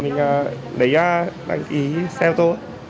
mình đẩy ra đăng ký xe ô tô